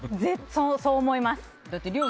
そう思います。